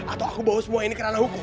atau aku bawa semua ini kerana hukum